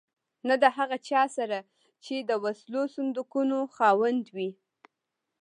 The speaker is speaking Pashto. نه د هغه چا سره چې د وسلو صندوقونو خاوند وي.